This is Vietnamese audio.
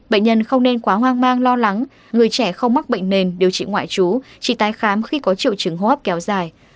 bệnh nhân không nên quá hoang mang lo lắng người trẻ không mắc bệnh nền điều trị ngoại trú chỉ tái khám khi có triệu chứng hô hấp kéo dài